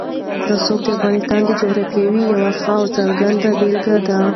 رسوب د افغانستان د جغرافیې یوه ښه او څرګنده بېلګه ده.